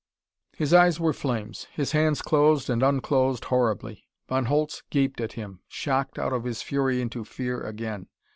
His eyes were flames. His hands closed and unclosed horribly. Von Holtz gaped at him, shocked out of his fury into fear again.